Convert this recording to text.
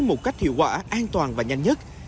một cách hiệu quả an toàn và nhanh nhất